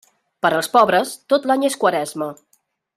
Per als pobres, tot l'any és Quaresma.